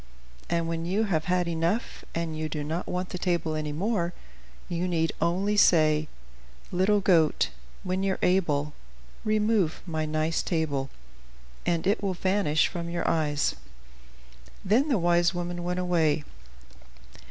And when you have had enough, and you do not want the table any more, you need only say: "'Little goat, when you're able, Remove my nice table,' and it will vanish from your eyes." Then the wise woman went away.